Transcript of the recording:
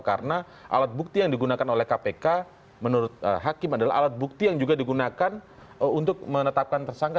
karena alat bukti yang digunakan oleh kpk menurut hakim adalah alat bukti yang juga digunakan untuk menetapkan tersangka